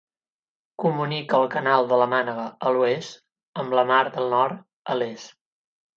Comunica el canal de la Mànega, a l'oest, amb la mar del Nord, a l'est.